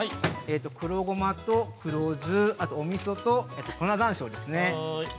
黒ゴマと黒酢、あとおみそと粉山椒ですね。